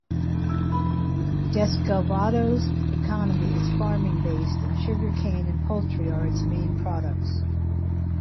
Descalvado's economy is farming based and sugar cane and poultry are its main products.